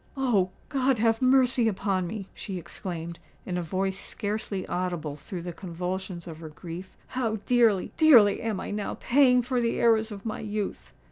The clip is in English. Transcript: "Oh! God have mercy upon me!" she exclaimed, in a voice scarcely audible through the convulsions of her grief: "how dearly—dearly am I now paying for the errors of my youth!"